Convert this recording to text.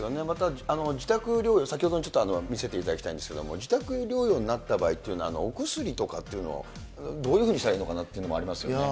また自宅療養、先ほどのちょっと見せていただきたいんですけど、自宅療養になった場合っていうのは、お薬とかっていうの、どういうふうにしたらいいのかなというのありますね。